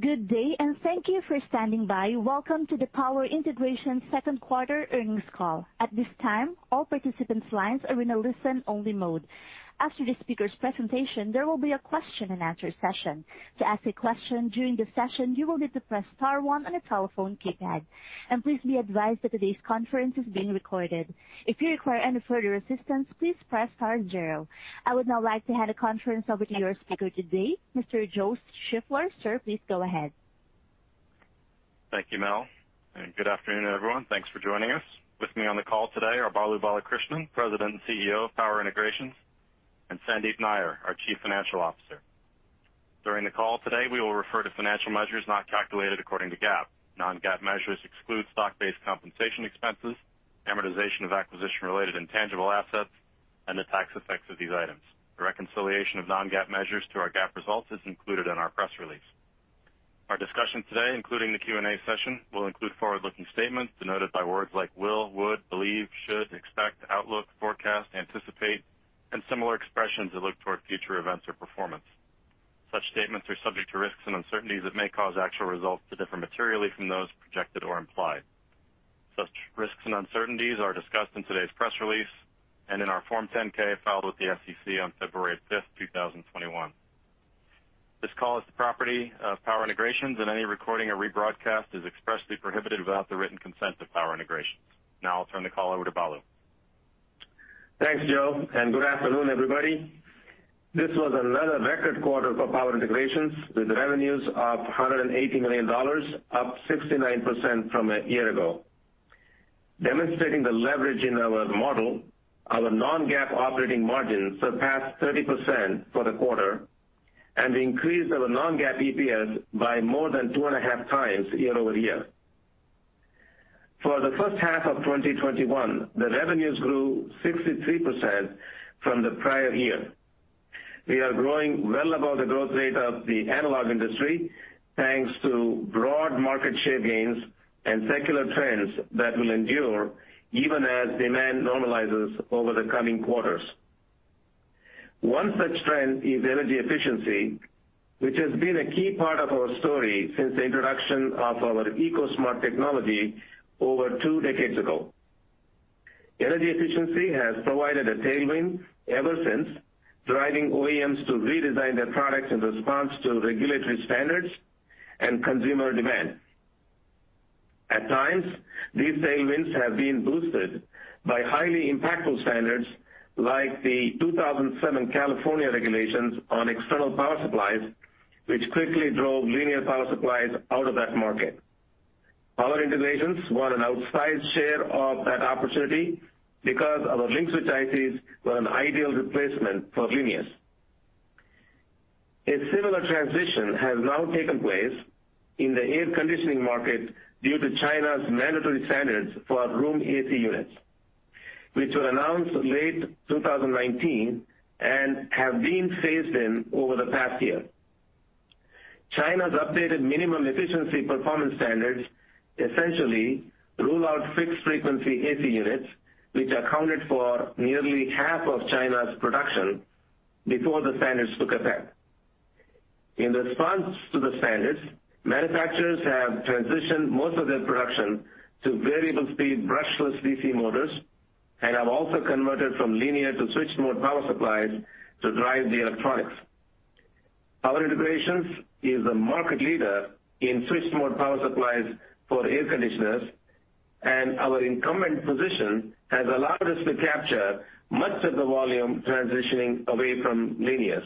Good day, and thank you for standing by. Welcome to the Power Integrations second quarter earnings call. At this time, all participant's lines are in a listen-only mode. After the speaker's presentation, there will be a question and answer session. To ask a question during the session, you will need to press star one on your telephone keypad. Please be advised that today's conference is being recorded. If you require any further assistance, please press star zero. I would now like to hand the conference over to your speaker today, Mr. Joe Shiffler. Sir, please go ahead. Thank you, Mel, and good afternoon, everyone. Thanks for joining us. With me on the call today are Balu Balakrishnan, President and CEO of Power Integrations, and Sandeep Nayyar, our Chief Financial Officer. During the call today, we will refer to financial measures not calculated according to GAAP. Non-GAAP measures exclude stock-based compensation expenses, amortization of acquisition-related intangible assets, and the tax effects of these items. The reconciliation of non-GAAP measures to our GAAP results is included in our press release. Our discussion today, including the Q&A session, will include forward-looking statements denoted by words like will, would, believe, should, expect, outlook, forecast, anticipate, and similar expressions that look toward future events or performance. Such statements are subject to risks and uncertainties that may cause actual results to differ materially from those projected or implied. Such risks and uncertainties are discussed in today's press release and in our Form 10-K filed with the SEC on February 5th, 2021. This call is the property of Power Integrations, and any recording or rebroadcast is expressly prohibited without the written consent of Power Integrations. Now I'll turn the call over to Balu. Thanks, Joe, and good afternoon, everybody. This was another record quarter for Power Integrations, with revenues of $180 million, up 69% from a year ago. Demonstrating the leverage in our model, our non-GAAP operating margin surpassed 30% for the quarter and increased our non-GAAP EPS by more than 2.5 times year-over-year. For the first half of 2021, the revenues grew 63% from the prior year. We are growing well above the growth rate of the analog industry, thanks to broad market share gains and secular trends that will endure even as demand normalizes over the coming quarters. One such trend is energy efficiency, which has been a key part of our story since the introduction of our EcoSmart technology over two decades ago. Energy efficiency has provided a tailwind ever since, driving OEMs to redesign their products in response to regulatory standards and consumer demand. At times, these tailwinds have been boosted by highly impactful standards like the 2007 California regulations on external power supplies, which quickly drove linear power supplies out of that market. Power Integrations won an outsized share of that opportunity because our LinkSwitch were an ideal replacement for linears. A similar transition has now taken place in the air conditioning market due to China's mandatory standards for room AC units, which were announced late 2019 and have been phased in over the past year. China's updated minimum efficiency performance standards essentially rule out fixed-frequency AC units, which accounted for nearly half of China's production before the standards took effect. In response to the standards, manufacturers have transitioned most of their production to variable speed brushless DC motors and have also converted from linear to switched-mode power supplies to drive the electronics. Power Integrations is a market leader in switched-mode power supplies for air conditioners, and our incumbent position has allowed us to capture much of the volume transitioning away from linears.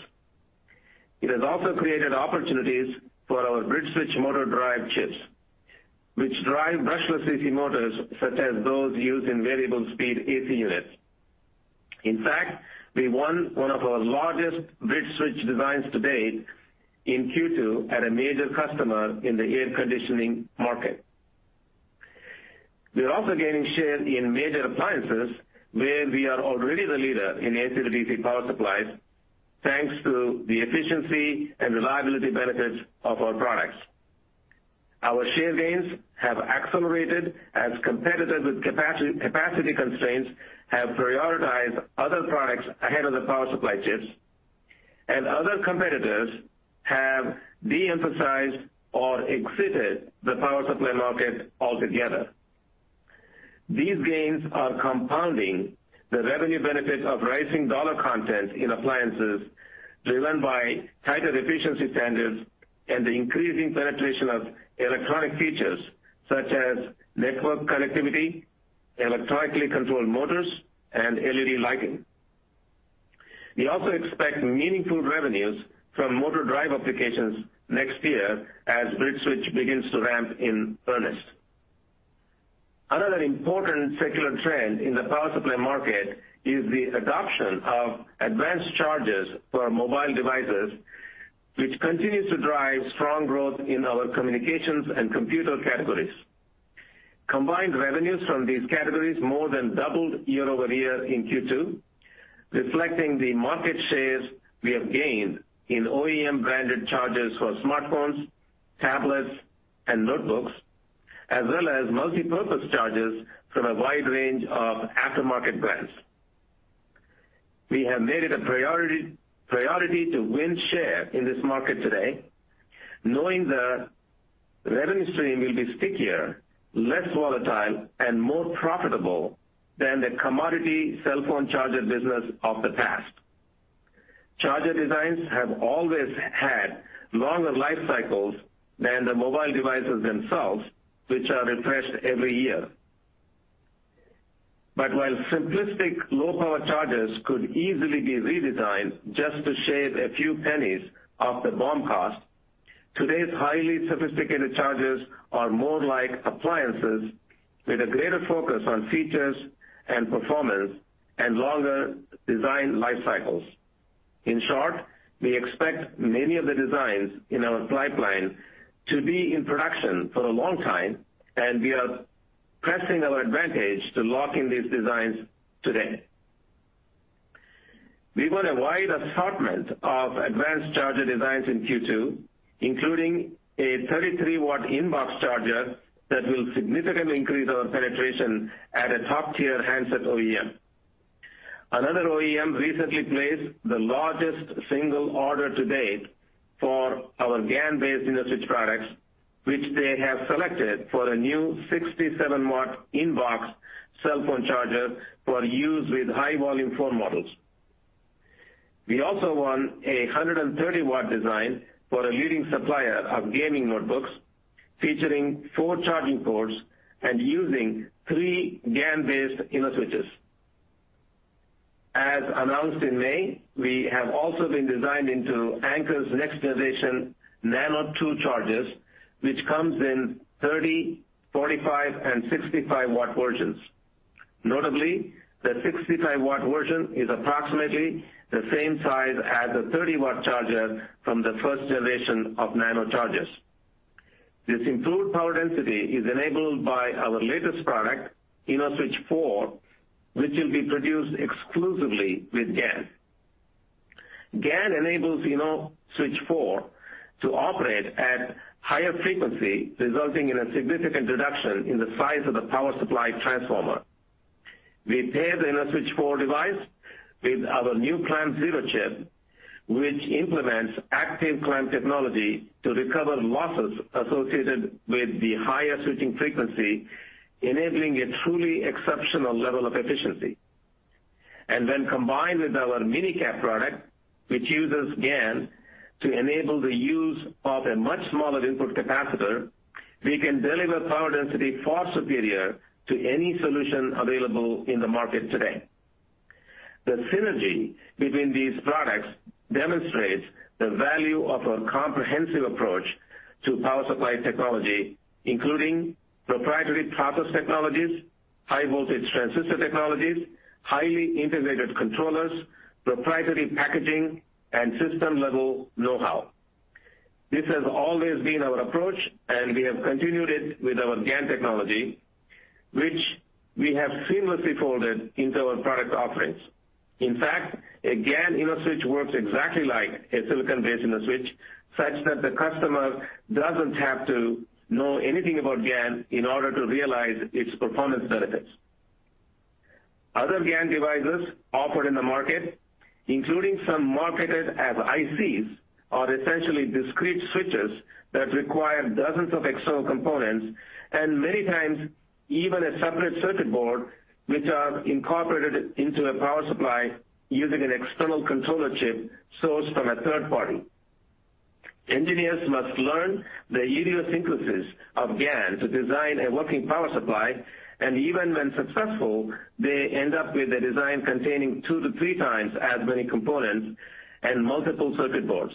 It has also created opportunities for our BridgeSwitch motor drive chips, which drive brushless DC motors such as those used in variable speed AC units. In fact, we won one of our largest BridgeSwitch designs to date in Q2 at a major customer in the air conditioning market. We are also gaining share in major appliances where we are already the leader in AC-DC power supplies, thanks to the efficiency and reliability benefits of our products. Our share gains have accelerated as competitors with capacity constraints have prioritized other products ahead of the power supply chips, and other competitors have de-emphasized or exited the power supply market altogether. These gains are compounding the revenue benefits of rising dollar content in appliances driven by tighter efficiency standards and the increasing penetration of electronic features such as network connectivity, electrically controlled motors, and LED lighting. We also expect meaningful revenues from motor drive applications next year as BridgeSwitch begins to ramp in earnest. Another important secular trend in the power supply market is the adoption of advanced chargers for mobile devices, which continues to drive strong growth in our communications and computer categories. Combined revenues from these categories more than doubled year-over-year in Q2, reflecting the market shares we have gained in OEM-branded chargers for smartphones, tablets, and notebooks, as well as multipurpose chargers from a wide range of aftermarket brands. We have made it a priority to win share in this market today, knowing the revenue stream will be stickier, less volatile, and more profitable than the commodity cell phone charger business of the past. Charger designs have always had longer life cycles than the mobile devices themselves, which are refreshed every year. While simplistic low-power chargers could easily be redesigned just to shave a few pennies off the BOM cost, today's highly sophisticated chargers are more like appliances with a greater focus on features and performance and longer design life cycles. In short, we expect many of the designs in our pipeline to be in production for a long time, and we are pressing our advantage to lock in these designs today. We've got a wide assortment of advanced charger designs in Q2, including a 33-W inbox charger that will significantly increase our penetration at a top-tier handset OEM. Another OEM recently placed the largest single order to date for our GaN-based InnoSwitch products, which they have selected for a new 67-W inbox cell phone charger for use with high-volume phone models. We also won 130-W design for a leading supplier of gaming notebooks featuring four charging ports and using three GaN-based InnoSwitches. As announced in May, we have also been designed into Anker's next-generation Nano II chargers, which comes in 30-W, 45-W, and 65-W versions. Notably, the 65-W version is approximately the same size as a 30-W charger from the first generation of Nano chargers. This improved power density is enabled by our latest product, InnoSwitch4, which will be produced exclusively with GaN. GaN enables InnoSwitch4 to operate at higher frequency, resulting in a significant reduction in the size of the power supply transformer. We pair the InnoSwitch4 device with our new clamp driver chip, which implements active clamp technology to recover losses associated with the higher switching frequency, enabling a truly exceptional level of efficiency. Then combined with our MinE-CAP product, which uses GaN to enable the use of a much smaller input capacitor, we can deliver power density far superior to any solution available in the market today. The synergy between these products demonstrates the value of a comprehensive approach to power supply technology, including proprietary process technologies, high voltage transistor technologies, highly integrated controllers, proprietary packaging, and system-level know-how. This has always been our approach, and we have continued it with our GaN technology, which we have seamlessly folded into our product offerings. In fact, a GaN InnoSwitch works exactly like a silicon-based InnoSwitch, such that the customer doesn't have to know anything about GaN in order to realize its performance benefits. Other GaN devices offered in the market, including some marketed as ICs, are essentially discrete switches that require dozens of external components and many times even a separate circuit board, which are incorporated into the power supply using an external controller chip sourced from a third party. Engineers must learn the idiosyncrasies of GaN to design a working power supply, and even when successful, they end up with a design containing two to three times as many components and multiple circuit boards.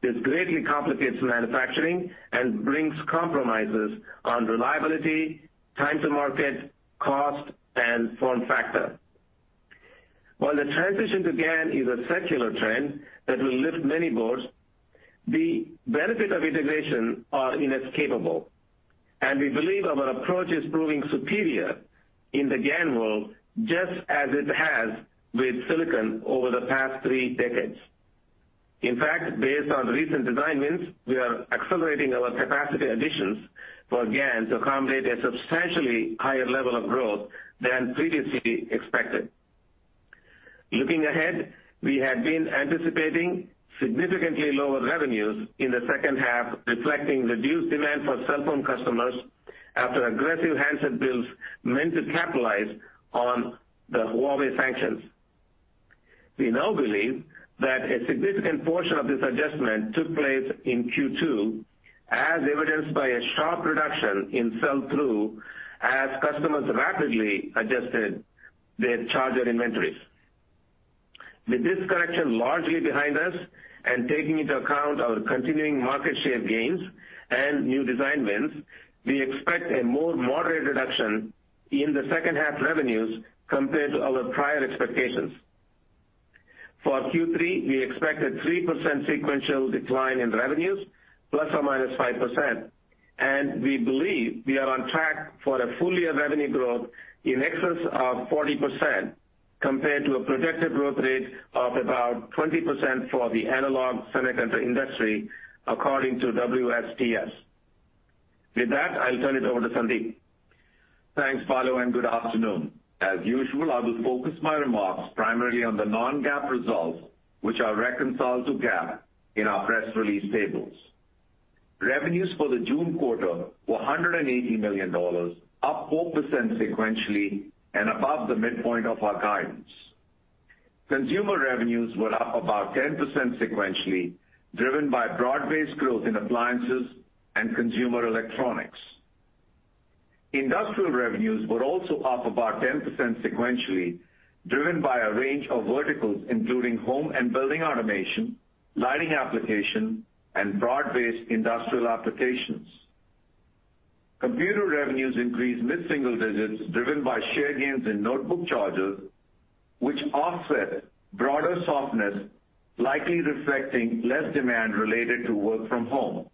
This greatly complicates manufacturing and brings compromises on reliability, time to market, cost, and form factor. While the transition to GaN is a secular trend that will lift many boards, the benefits of integration are inescapable, and we believe our approach is proving superior in the GaN world, just as it has with silicon over the past three decades. In fact, based on recent design wins, we are accelerating our capacity additions for GaN to accommodate a substantially higher level of growth than previously expected. Looking ahead, we had been anticipating significantly lower revenues in the second half, reflecting reduced demand from cell phone customers after aggressive handset builds meant to capitalize on the Huawei sanctions. We now believe that a significant portion of this adjustment took place in Q2, as evidenced by a sharp reduction in sell-through as customers rapidly adjusted their charger inventories. With this correction largely behind us and taking into account our continuing market share gains and new design wins, we expect a more moderate reduction in the second half revenues compared to our prior expectations. For Q3, we expect a 3% sequential decline in revenues, ±5%, and we believe we are on track for a full-year revenue growth in excess of 40%, compared to a projected growth rate of about 20% for the analog semiconductor industry, according to WSTS. With that, I'll turn it over to Sandeep. Thanks, Balu, and good afternoon. As usual, I will focus my remarks primarily on the non-GAAP results, which are reconciled to GAAP in our press release tables. Revenues for the June quarter were $180 million, up 4% sequentially and above the midpoint of our guidance. Consumer revenues were up about 10% sequentially, driven by broad-based growth in appliances and consumer electronics. Industrial revenues were also up about 10% sequentially, driven by a range of verticals including home and building automation, lighting applications, and broad-based industrial applications. Computer revenues increased mid-single digits driven by share gains in notebook chargers, which offset broader softness, likely reflecting less demand related to work from home.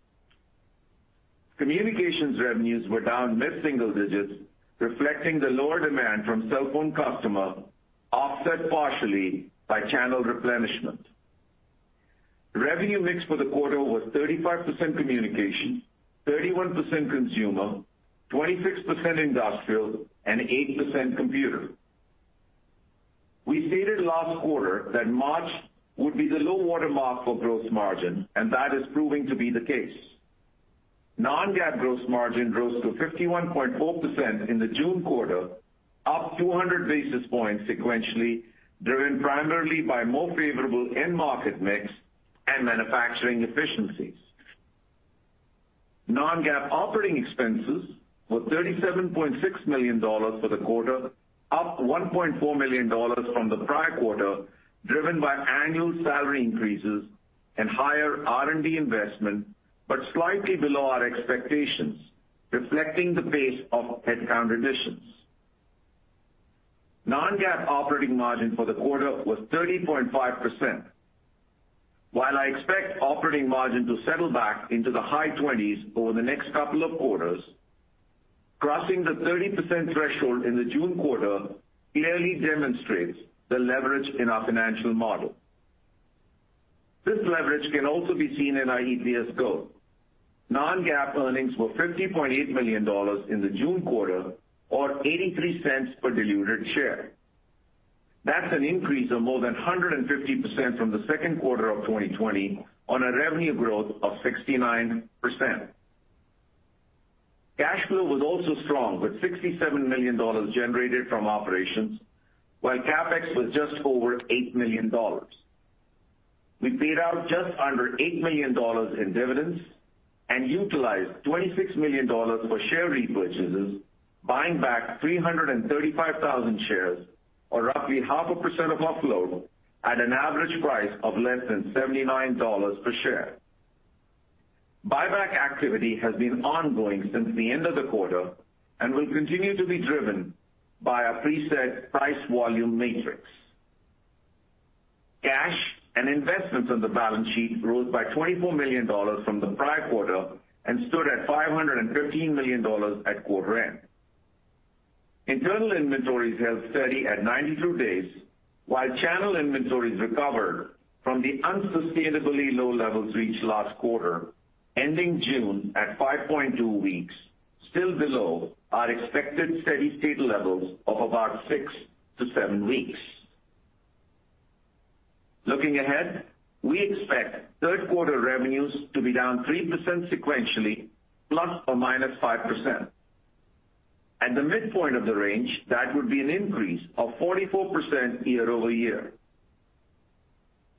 Communications revenues were down mid-single digits, reflecting the lower demand from cell phone customers, offset partially by channel replenishment. Revenue mix for the quarter was 35% communication, 31% consumer, 26% industrial, and 8% computer. We stated last quarter that March would be the low watermark for gross margin, and that is proving to be the case. Non-GAAP gross margin rose to 51.4% in the June quarter, up 200 basis points sequentially, driven primarily by more favorable end market mix and manufacturing efficiencies. Non-GAAP operating expenses were $37.6 million for the quarter, up $1.4 million from the prior quarter, driven by annual salary increases and higher R&D investment, but slightly below our expectations, reflecting the pace of headcount additions. Non-GAAP operating margin for the quarter was 30.5%. While I expect operating margin to settle back into the high 20s over the next couple of quarters, crossing the 30% threshold in the June quarter clearly demonstrates the leverage in our financial model. This leverage can also be seen in our EPS growth. Non-GAAP earnings were $50.8 million in the June quarter, or $0.83 per diluted share. That's an increase of more than 150% from the second quarter of 2020 on a revenue growth of 69%. Cash flow was also strong, with $67 million generated from operations, while CapEx was just over $8 million. We paid out just under $8 million in dividends and utilized $26 million for share repurchases, buying back 335,000 shares, or roughly 0.5% of our flow, at an average price of less than $79 per share. Buyback activity has been ongoing since the end of the quarter and will continue to be driven by a preset price-volume matrix. Cash and investments on the balance sheet rose by $24 million from the prior quarter and stood at $515 million at quarter end. Internal inventories held steady at 92 days, while channel inventories recovered from the unsustainably low levels reached last quarter, ending June at 5.2 weeks, still below our expected steady-state levels of about six to seven weeks. Looking ahead, we expect third-quarter revenues to be down 3% sequentially, ±5%. At the midpoint of the range, that would be an increase of 44% year-over-year.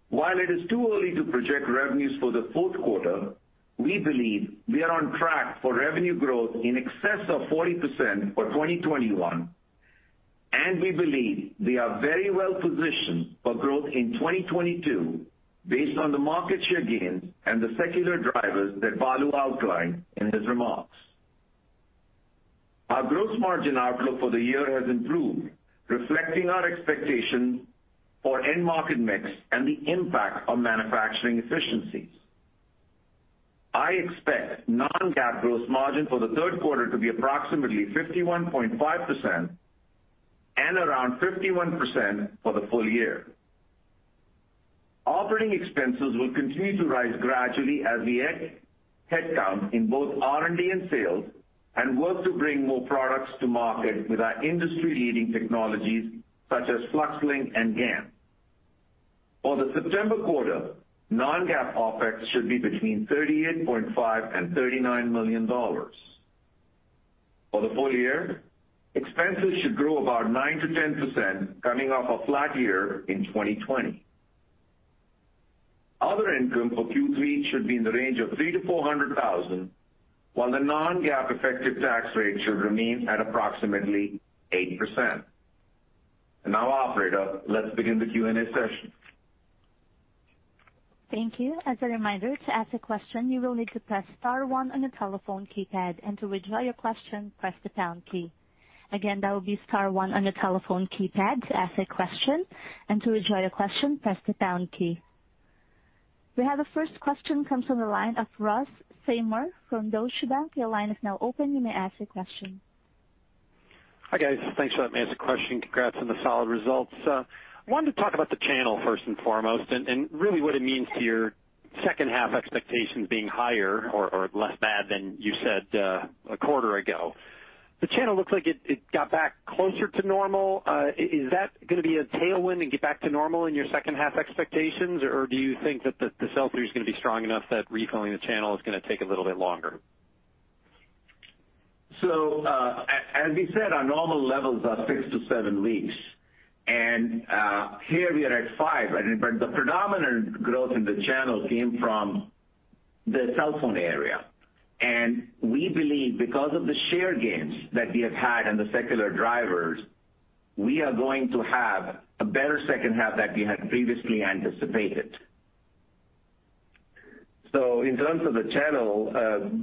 While it is too early to project revenues for the fourth quarter, we believe we are on track for revenue growth in excess of 40% for 2021, and we believe we are very well positioned for growth in 2022 based on the market share gains and the secular drivers that Balu outlined in his remarks. Our gross margin outlook for the year has improved, reflecting our expectations for end market mix and the impact of manufacturing efficiencies. I expect non-GAAP gross margin for the third quarter to be approximately 51.5% and around 51% for the full year. Operating expenses will continue to rise gradually as we add headcount in both R&D and sales and work to bring more products to market with our industry-leading technologies such as FluxLink and GaN. For the September quarter, non-GAAP OpEx should be between $38.5 million and $39 million. For the full year, expenses should grow about 9%-10%, coming off a flat year in 2020. Other income for Q3 should be in the range of $300,000-$400,000, while the non-GAAP effective tax rate should remain at approximately 80%. Now, operator, let's begin the Q&A session. Thank you. As a reminder, to ask a question, you will need to press star one on your telephone keypad, and to withdraw your question, press the pound key. Again, that will be star one on your telephone keypad to ask a question, and to withdraw your question, press the pound key. We have the first question, comes from the line of Ross Seymore from Deutsche Bank. Your line is now open. You may ask your question. Hi, guys. Thanks for letting me ask the question. Congrats on the solid results. I wanted to talk about the channel first and foremost, and really what it means to your second half expectations being higher or less bad than you said a quarter ago. The channel looks like it got back closer to normal. Is that going to be a tailwind to get back to normal in your second half expectations? Do you think that the cell phone is going to be strong enough that refilling the channel is going to take a little bit longer? As we said, our normal levels are six to seven weeks, and here we are at five. The predominant growth in the channel came from the cell phone area. We believe because of the share gains that we have had and the secular drivers, we are going to have a better second half than we had previously anticipated. In terms of the channel,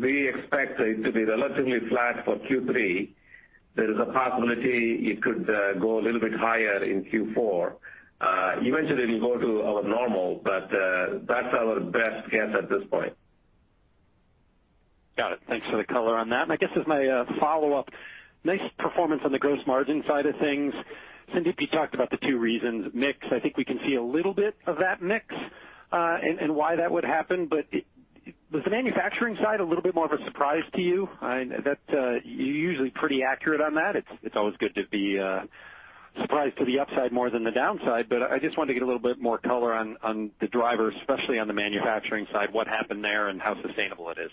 we expect it to be relatively flat for Q3. There is a possibility it could go a little bit higher in Q4. You mentioned it will go to our normal, but that's our best guess at this point. Got it. Thanks for the color on that. I guess as my follow-up, nice performance on the gross margin side of things. Sandeep, you talked about the two reasons. Mix, I think we can see a little bit of that mix, and why that would happen. Was the manufacturing side a little bit more of a surprise to you? You're usually pretty accurate on that. It's always good to be surprised to the upside more than the downside, but I just want to get a little bit more color on the drivers, especially on the manufacturing side, what happened there and how sustainable it is.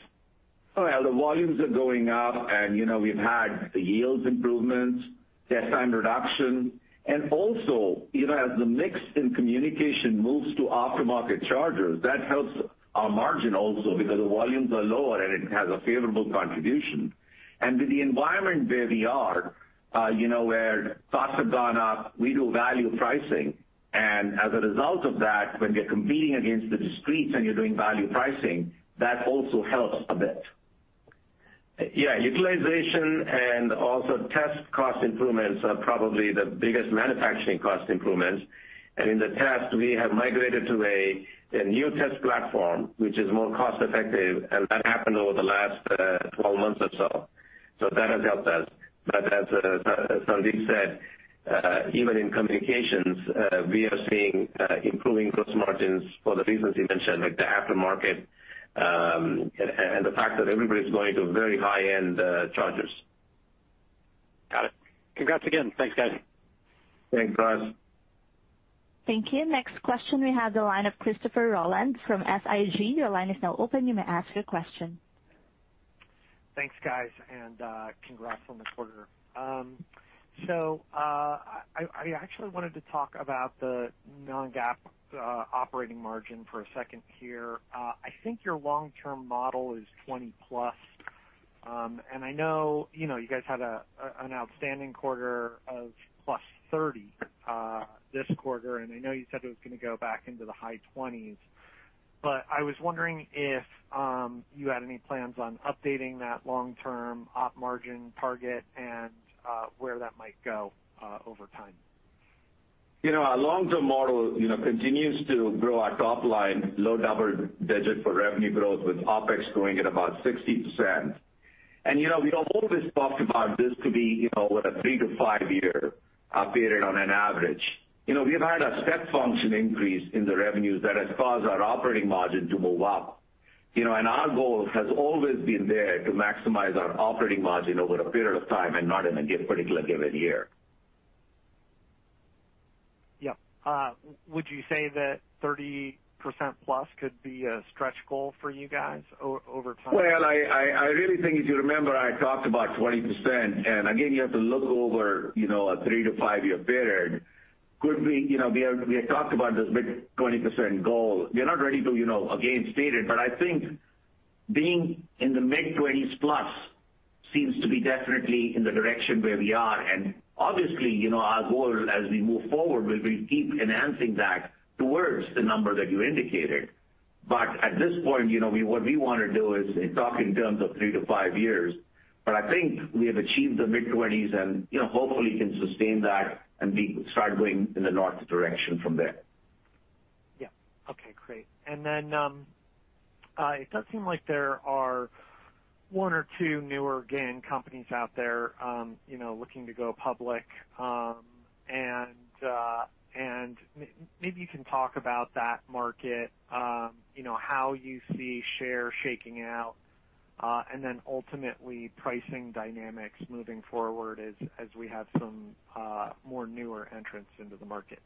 Well, the volumes are going up and we've had yields improvements, test time reduction, and also as the mix in communication moves to aftermarket chargers, that helps our margin also because the volumes are lower and it has a favorable contribution. With the environment where we are where costs have gone up, we do value pricing. As a result of that, when you're competing against the discrete and you're doing value pricing, that also helps a bit. Yeah, utilization and also test cost improvements are probably the biggest manufacturing cost improvements. In the test, we have migrated to a new test platform, which is more cost-effective, and that happened over the last 12 months or so. That has helped us. As Sandeep said, even in communications, we are seeing improving gross margins for the reasons you mentioned, like the aftermarket, and the fact that everybody's going to very high-end chargers. Got it. Congrats again. Thanks, guys. Thanks, Brad. Thank you. Next question we have the line of Christopher Rolland from SIG. Your line is now open. You may ask your question. Thanks, guys. Congrats on the quarter. I actually wanted to talk about the non-GAAP operating margin for a second here. I think your long-term model is 20%+, and I know you guys had an outstanding quarter of +30% this quarter, and I know you said it was going to go back into the high 20s%, but I was wondering if you had any plans on updating that long-term operating margin target and where that might go over time. Our long-term model continues to grow our top line, low double-digit for revenue growth with OpEx growing at about 60%. We have always talked about this to be with a three to five-year period on an average. We've had a step function increase in the revenues that has caused our operating margin to go up. Our goal has always been there to maximize our operating margin over a period of time and not in a particular given year. Yeah. Would you say that 30%+ could be a stretch goal for you guys over time? Well, I really think if you remember, I talked about 20%, and again, you have to look over a three to five-year period. We had talked about this mid 20% goal. We're not ready to again state it, but I think being in the mid-20s plus seems to be definitely in the direction where we are, and obviously, our goal as we move forward will be keep enhancing that towards the number that you indicated. At this point, what we want to do is talk in terms of three to five years, but I think we have achieved the mid-20s and hopefully we can sustain that and start going in the north direction from there. Yeah. Okay, great. Then, it does seem like there are one or two newer GaN companies out there looking to go public. Maybe you can talk about that market, how you see share shaking out, and then ultimately pricing dynamics moving forward as we have some more newer entrants into the market.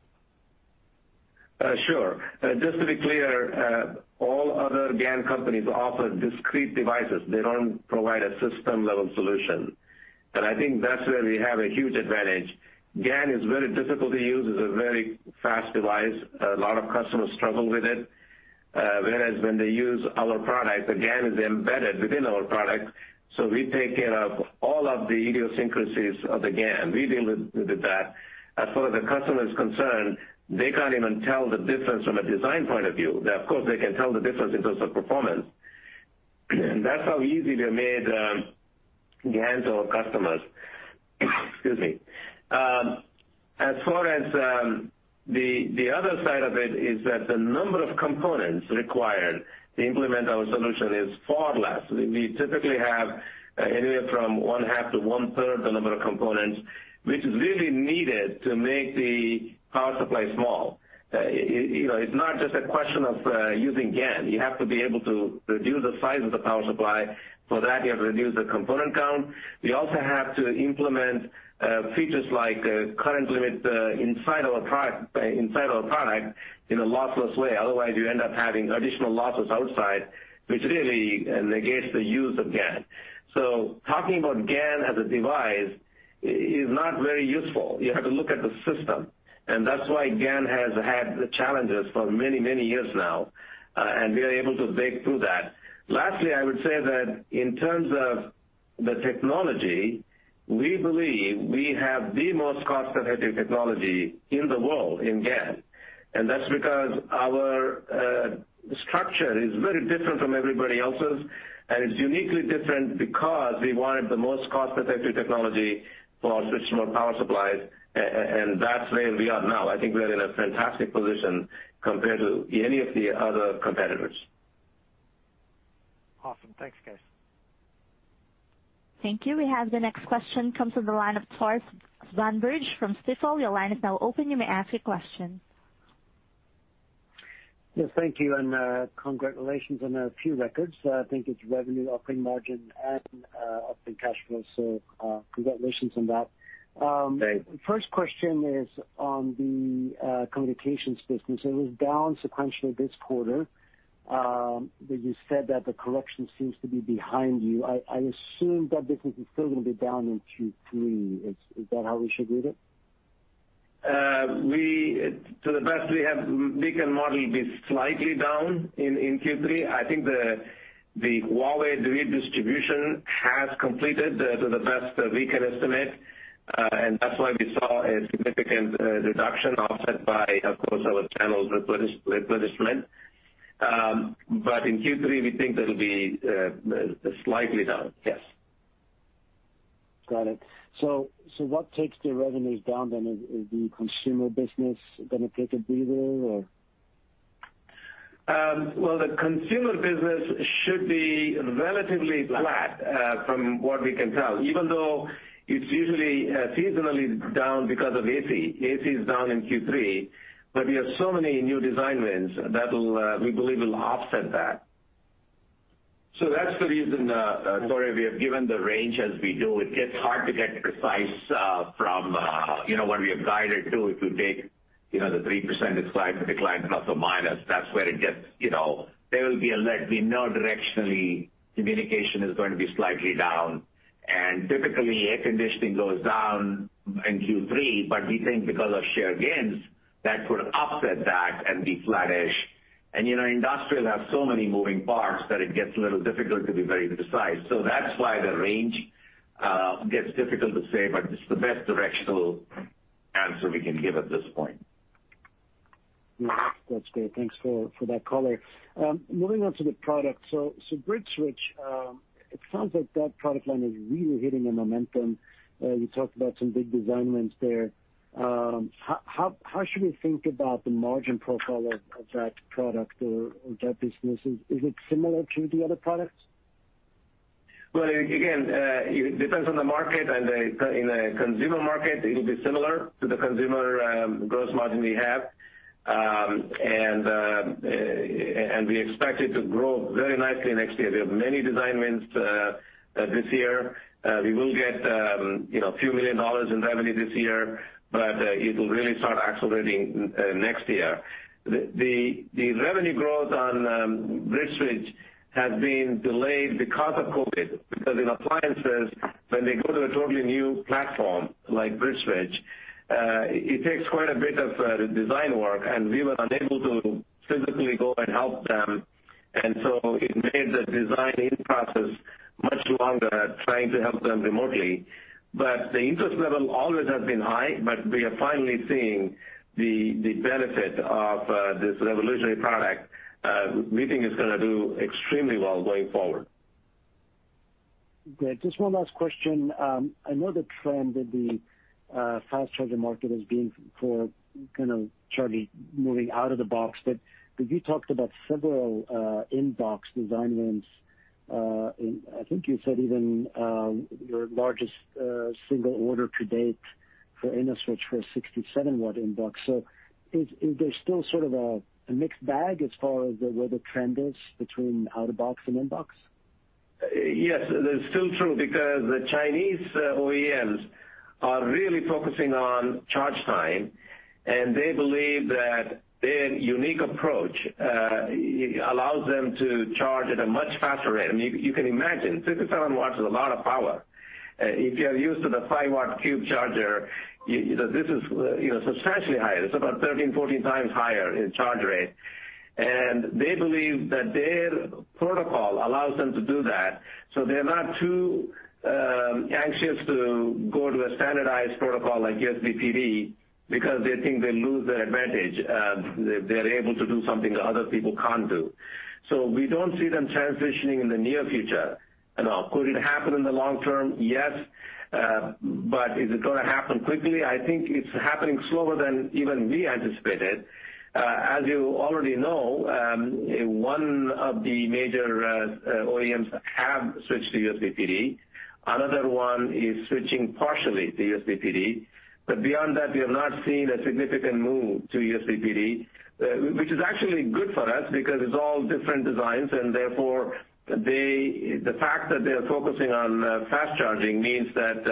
Sure. Just to be clear, all other GaN companies offer discrete devices. They don't provide a system-level solution. I think that's where we have a huge advantage. GaN is very difficult to use. It's a very fast device. A lot of customers struggle with it. Whereas when they use our product, the GaN is embedded within our product, so we take care of all of the idiosyncrasies of the GaN. We deal with that. As far as the customer is concerned, they can't even tell the difference from a design point of view. Of course, they can tell the difference in terms of performance. That's how easy we made GaN to our customers. Excuse me. As far as the other side of it is that the number of components required to implement our solution is far less. We typically have anywhere from 1/2-1/3 the number of components, which is really needed to make the power supply small. It's not just a question of using GaN. You have to be able to reduce the size of the power supply. For that, you have to reduce the component count. We also have to implement features like current limit inside of a product in a lossless way. Otherwise, you end up having additional losses outside, which really negates the use of GaN. Talking about GaN as a device is not very useful. You have to look at the system, and that's why GaN has had the challenges for many years now, and we are able to break through that. Lastly, I would say that in terms of the technology, we believe we have the most cost-effective technology in the world in GaN, and that's because our structure is very different from everybody else's, and it's uniquely different because we wanted the most cost-effective technology for our switching mode power supplies, and that's where we are now. I think we're in a fantastic position compared to any of the other competitors. Awesome. Thanks, guys. Thank you. We have the next question. Comes from the line of Tore Svanberg from Stifel. Your line is now open. You may ask your question. Yes, thank you, and congratulations on a few records. I think it's revenue, operating margin, and operating cash flow. Congratulations on that. Great. First question is on the communications business. It was down sequentially this quarter. You said that the correction seems to be behind you. I assume that this will still be down in Q3. Is that how we should read it? To the best we can model, it will be slightly down in Q3. I think the Huawei redistribution has completed to the best that we can estimate, and that's why we saw a significant reduction offset by, of course, our channels replenishment. In Q3, we think it'll be slightly down. Yes. Got it. What takes the revenues down then? Is the consumer business going to take a beating? The consumer business should be relatively flat from what we can tell, even though it's usually seasonally down because of AC. AC is down in Q3, but we have so many new design wins that we believe will offset that. That's the reason, Tore, we have given the range as we do. It gets hard to get precise from what we have guided to take the 3% decline ±. We know directionally, communication is going to be slightly down, and typically, air conditioning goes down in Q3, but we think because of shared gains, that could offset that and deflatish. Industrial have so many moving parts that it gets a little difficult to be very precise. That's why the range gets difficult to say, but it's the best directional answer we can give at this point. Yeah. That's great. Thanks for that color. Moving on to the product. BridgeSwitch, it sounds like that product line is really hitting the momentum. You talked about some big design wins there. How should we think about the margin profile of that product or that business? Is it similar to the other products? Again, it depends on the market and the consumer market. It will be similar to the consumer gross margin we have, and we expect it to grow very nicely next year. We have many design wins this year. We will get a few million dollars in revenue this year, but it will really start accelerating next year. The revenue growth on BridgeSwitch has been delayed because of COVID, because in appliances, when they go to a totally new platform like BridgeSwitch, it takes quite a bit of design work, and we were unable to physically go and help them, and so it made the design-in process much longer, trying to help them remotely. The interest level always has been high, but we are finally seeing the benefit of this revolutionary product. We think it's going to do extremely well going forward. Great. Just one last question. I know the trend in the fast charging market has been for charging moving out of the box, but you talked about several in-box design wins. I think you said even your largest single order to date for InnoSwitch for a 67-W in-box. Is there still sort of a mixed bag as far as where the trend is between out-of-box and in-box? Yes, that's still true because the Chinese OEMs are really focusing on charge time, and they believe that their unique approach allows them to charge at a much faster rate. You can imagine, 57 W is a lot of power. If you are used to the 5-W cube charger, this is substantially higher. It's about 13, 14 times higher in charge rate. They believe that their protocol allows them to do that. They're not too anxious to go to a standardized protocol like USB-PD because they think they lose their advantage. They're able to do something that other people can't do. We don't see them transitioning in the near future. Now, could it happen in the long term? Yes. Is it going to happen quickly? I think it's happening slower than even we anticipated. As you already know, one of the major OEMs have switched to USB-PD. Another one is switching partially to USB-PD. Beyond that, we have not seen a significant move to USB-PD, which is actually good for us because it's all different designs, and therefore, the fact that they are focusing on fast charging means that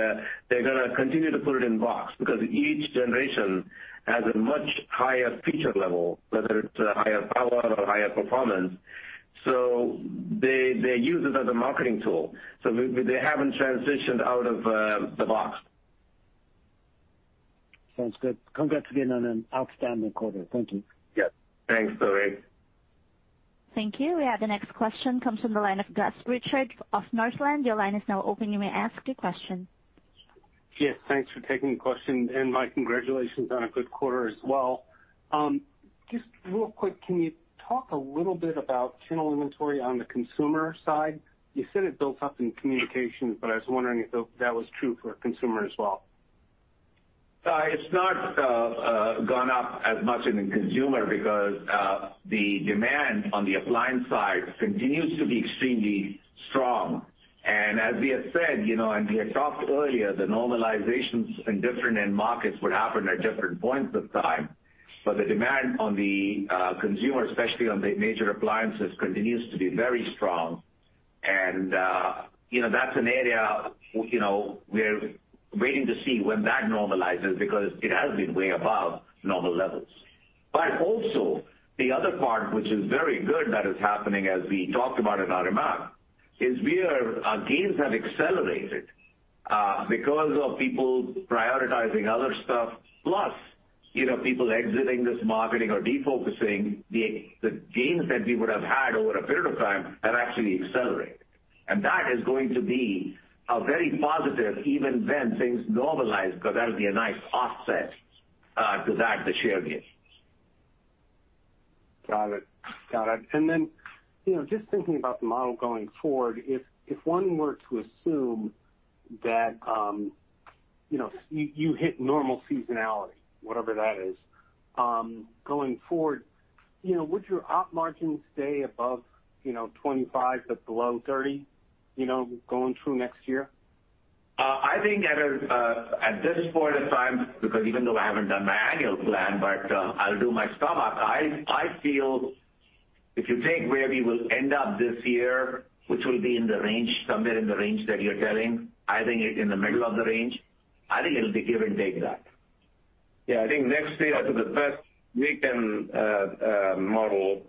they're going to continue to put it in box, because each generation has a much higher feature level, whether it's higher power or higher performance. They use it as a marketing tool. They haven't transitioned out of the box. Sounds good. Congrats again on an outstanding quarter. Thank you. Yep. Thanks, Tore. Thank you. We have the next question comes from the line of Gus Richard of Northland. Your line is now open. You may ask your question. Yes, thanks for taking the question. My congratulations on a good quarter as well. Just real quick, can you talk a little bit about channel inventory on the consumer side? You said it built up in communications, but I was wondering if that was true for consumer as well. It's not gone up as much in consumer because the demand on the appliance side continues to be extremely strong. As we have said, and we had talked earlier, the normalizations in different end markets would happen at different points of time. The demand on the consumer, especially on the major appliances, continues to be very strong. That's an area we're waiting to see when that normalizes because it has been way above normal levels. Also the other part, which is very good that is happening as we talked about in our remarks, is our gains have accelerated. Because of people prioritizing other stuff, plus people exiting this marketing or defocusing, the gains that we would have had over a period of time have actually accelerated. That is going to be very positive even when things normalize, because that'll be a nice offset to that that you're giving. Got it. Just thinking about the model going forward, if one were to assume that you hit normal seasonality, whatever that is, going forward, would your operating margin stay above 25% but below 30% going through next year? I think at this point of time, because even though I haven't done my annual plan, but I'll do my model, I feel if you take where we will end up this year, which will be in the range, somewhere in the range that you're telling, I think it's in the middle of the range, I think it'll be give and take that. Yeah, I think next year for the full year model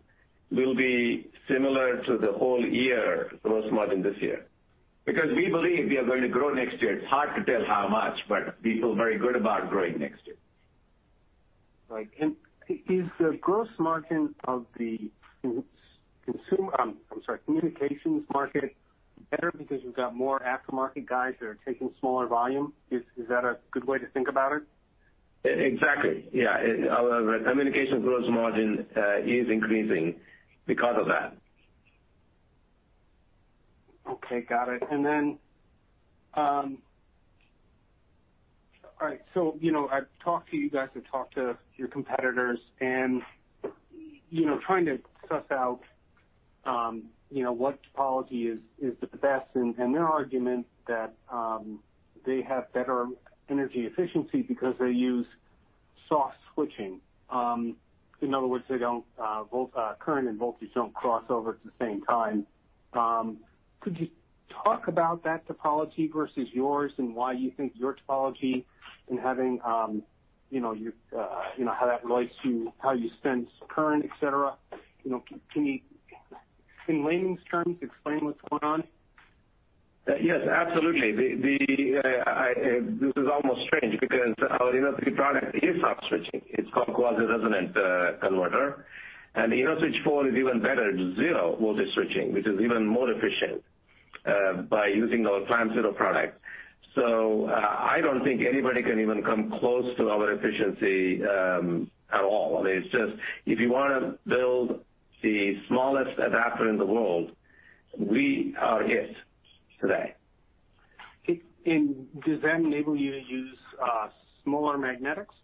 will be similar to the whole year gross margin this year. We believe we are going to grow next year. It's hard to tell how much, but we feel very good about growing next year. Right. Is the gross margin of the communications market better because you've got more aftermarket guys that are taking smaller volume? Is that a good way to think about it? Exactly, yeah. Our communication gross margin is increasing because of that. Okay, got it. I've talked to you guys, I've talked to your competitors, and trying to suss out what topology is the best, and their argument that they have better energy efficiency because they use soft switching. In other words, current and voltage don't cross over at the same time. Could you talk about that topology versus yours and why you think your topology and how that relates to how you spend current, et cetera? Can you, in layman's terms, explain what's going on? Yes, absolutely. This is almost strange because our InnoSwitch product is soft switching. It's called quasi-resonant converter. The InnoSwitch4 is even better, zero voltage switching, which is even more efficient by using our ClampZero product. I don't think anybody can even come close to our efficiency at all. It's just if you want to build the smallest adapter in the world, we are it today. Does that enable you to use smaller magnetics?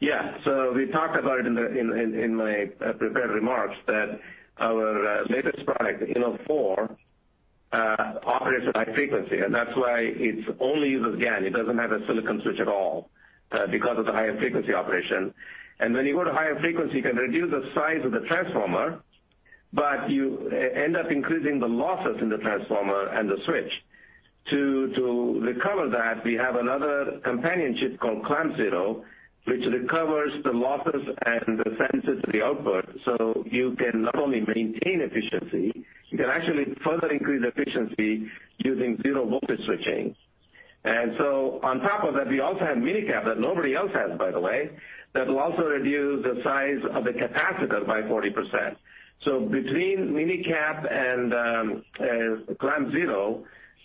We talked about it in my prepared remarks that our latest product, InnoSwitch4, operates at high frequency, and that's why it only uses, again, it doesn't have a silicon switch at all because of the higher frequency operation. When you go to higher frequency, you can reduce the size of the transformer, but you end up increasing the losses in the transformer and the switch. To recover that, we have another companion chip called ClampZero, which recovers the losses and sends it to the output. You can not only maintain efficiency, you can actually further increase efficiency using zero voltage switching. On top of that, we also have MinE-CAP that nobody else has, by the way, that will also reduce the size of the capacitor by 40%. Between MinE-CAP and ClampZero,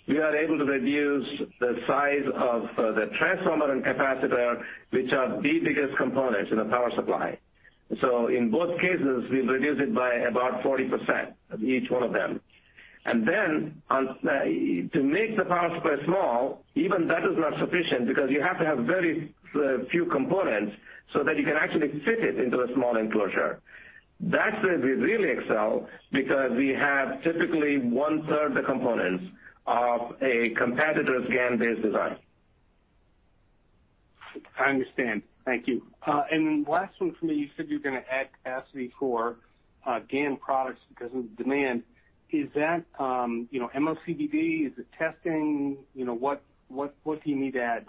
we are able to reduce the size of the transformer and capacitor, which are the biggest components in a power supply. In both cases, we reduce it by about 40% of each one of them. To make the power supply small, even that is not sufficient because you have to have very few components so that you can actually fit it into a small enclosure. That's where we really excel because we have typically 1/3 the components of a competitor's GaN-based design. I understand. Thank you. Last one for me, you said you're going to add capacity for GaN products because of the demand. Is that MOCVD? Is it testing? What do you need to add?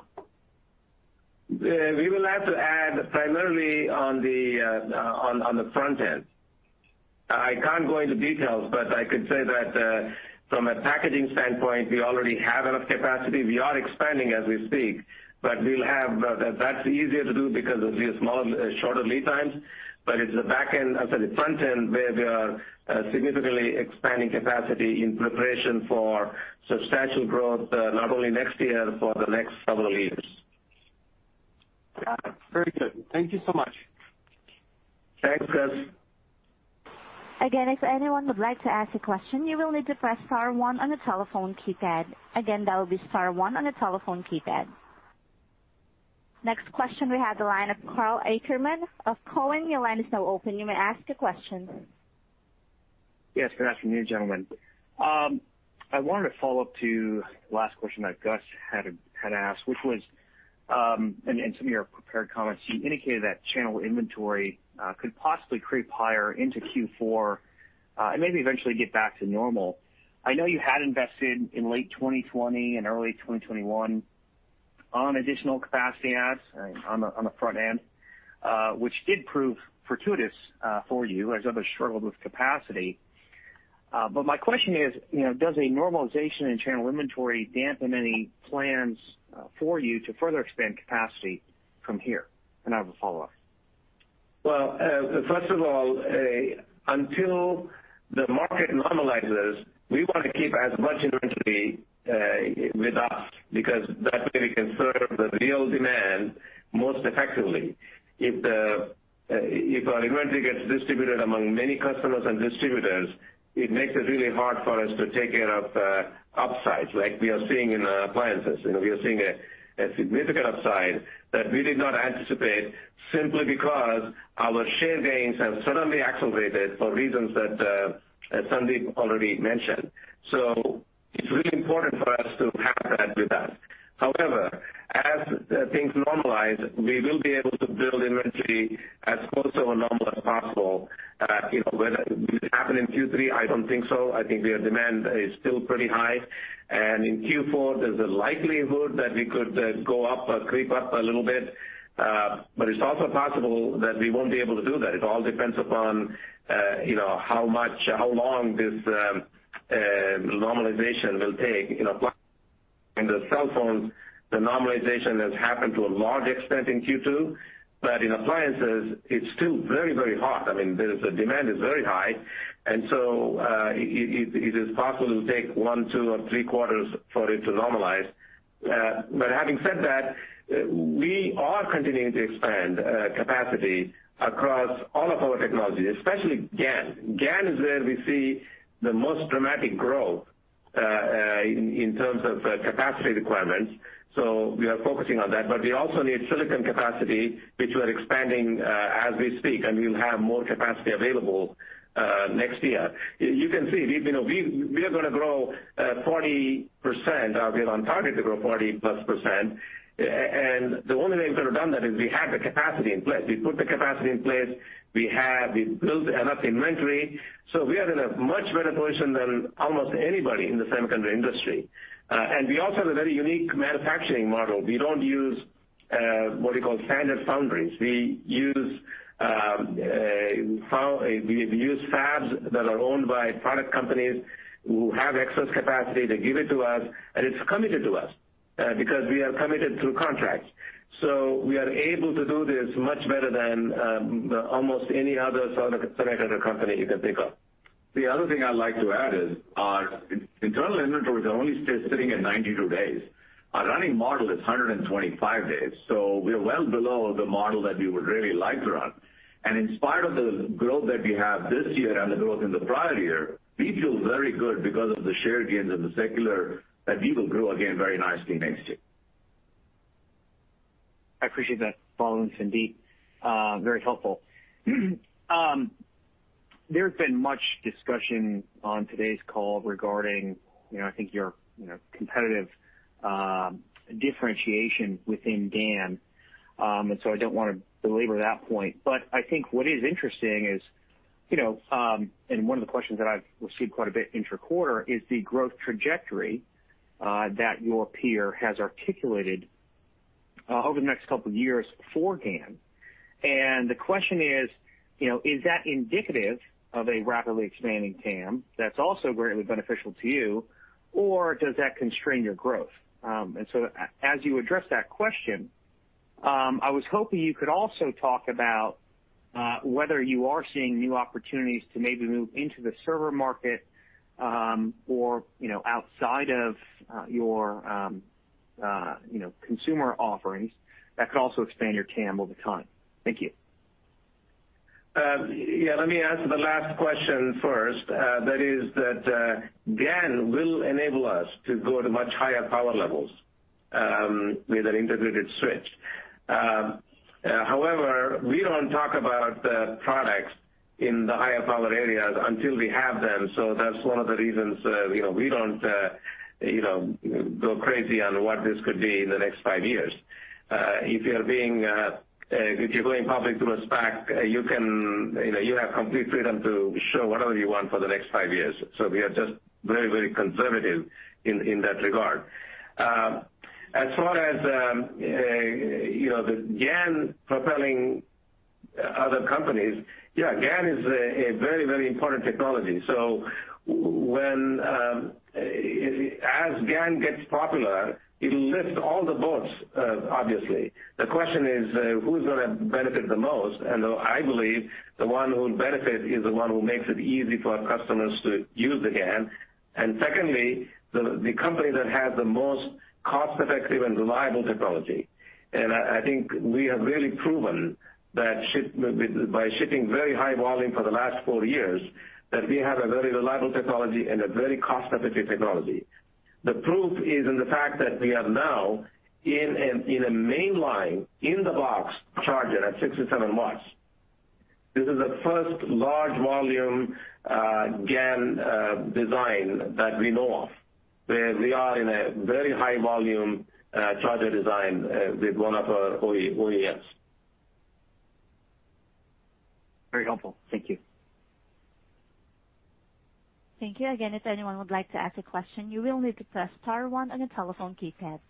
We will have to add primarily on the front end. I can't go into details, but I could say that from a packaging standpoint, we already have enough capacity. We are expanding as we speak, but that's easier to do because of the shorter lead times. But it's the front end where we are significantly expanding capacity in preparation for substantial growth, not only next year, for the next several years. Got it. Very good. Thank you so much. Thanks, Gus. Again, if anyone would like to ask a question, you will need to press star one on the telephone keypad. Again, that will be star one on the telephone keypad. Next question, we have the line of Karl Ackerman of Cowen. Your line is now open. You may ask a question. Yes, good afternoon, gentlemen. I wanted to follow up to the last question that Gus had asked, which was, and some of your prepared comments, you indicated that channel inventory could possibly creep higher into Q4, and maybe eventually get back to normal. I know you had invested in late 2020 and early 2021 on additional capacity adds on the front end, which did prove fortuitous for you as others struggled with capacity. My question is, does a normalization in channel inventory dampen any plans for you to further expand capacity from here? I have a follow-up. Well, first of all, until the market normalizes, we want to keep as much inventory with us, because that way we can serve the real demand most effectively. If our inventory gets distributed among many customers and distributors, it makes it really hard for us to take care of upsides like we are seeing in appliances. We are seeing a significant upside that we did not anticipate simply because our share gains have suddenly accelerated for reasons that Sandeep already mentioned. It's really important for us to have that with us. However, as things normalize, we will be able to build inventory as close to a normal as possible. Will it happen in Q3? I don't think so. I think their demand is still pretty high. In Q4, there's a likelihood that we could go up or creep up a little bit. It's also possible that we won't be able to do that. It all depends upon how long this normalization will take in appliances and the cell phones, the normalization has happened to a large extent in Q2, but in appliances, it's still very, very hot. I mean, the demand is very high, it is possible to take one, two, or three quarters for it to normalize. Having said that, we are continuing to expand capacity across all of our technologies, especially GaN. GaN is where we see the most dramatic growth in terms of capacity requirements. We are focusing on that. We also need silicon capacity, which we are expanding as we speak, and we will have more capacity available next year. You can see, we are going to grow 40%, we are on target to grow 40%+, the only way we could have done that is we have the capacity in place. We put the capacity in place. We built enough inventory. We are in a much better position than almost anybody in the semiconductor industry. We also have a very unique manufacturing model. We don't use what we call standard foundries. We use fabs that are owned by product companies who have excess capacity. They give it to us, it's committed to us, because we are committed through contracts. We are able to do this much better than almost any other semiconductor company you can think of. The other thing I'd like to add is our internal inventory is only sitting at 92 days. Our running model is 125 days, so we are well below the model that we would really like to run. In spite of the growth that we have this year and the growth in the prior year, we feel very good because of the share gains and the secular that we will grow again very nicely next year. I appreciate that follow on, Sandeep. Very helpful. There's been much discussion on today's call regarding, I think your competitive differentiation within GaN, and so I don't want to belabor that point. I think what is interesting is, and one of the questions that I've received quite a bit intra-quarter is the growth trajectory that your peer has articulated over the next couple of years for GaN, and the question is that indicative of a rapidly expanding TAM that's also very beneficial to you, or does that constrain your growth? As you address that question, I was hoping you could also talk about whether you are seeing new opportunities to maybe move into the server market, or outside of your consumer offerings that could also expand your TAM over time. Thank you. Let me answer the last question first. That is that GaN will enable us to go to much higher power levels with an integrated switch. However, we don't talk about the products in the higher power areas until we have them. That's one of the reasons we don't go crazy on what this could be in the next five years. If you're going public through a SPAC, you have complete freedom to show whatever you want for the next five years. We are just very conservative in that regard. As far as the GaN propelling other companies, GaN is a very important technology. As GaN gets popular, it lifts all the boats, obviously. The question is who's going to benefit the most? I believe the one who will benefit is the one who makes it easy for our customers to use the GaN, and secondly, the company that has the most cost-effective and reliable technology. I think we have really proven that by shipping very high volume for the last four years, that we have a very reliable technology and a very cost-effective technology. The proof is in the fact that we are now in a mainline, in-the-box charger at 67 W. This is the first large volume GaN design that we know of, where we are in a very high volume charger design with one of our OEMs. Very helpful. Thank you. Thank you. Again, if anyone would like to ask a question, you will need to press star one on your telephone keypad.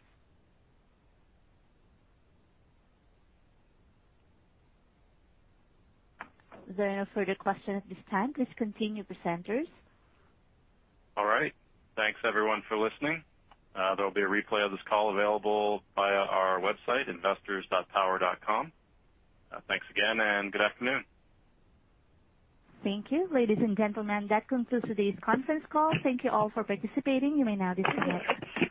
There are no further questions at this time. Please continue, presenters. All right. Thanks, everyone, for listening. There'll be a replay of this call available via our website, investors.power.com. Thanks again, and good afternoon. Thank you. Ladies and gentlemen, that concludes today's conference call. Thank you all for participating. You may now disconnect.